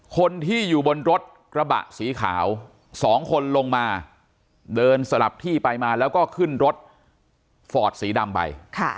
คนที่อยู่บนรถกระบะสีขาว๒คนลงมาเดินสลับที่ไปมาแล้วก็ขึ้นรถฟอร์ดสีดำไป